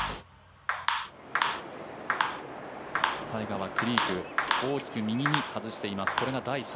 タイガーはクリーク、大きく右に外しています。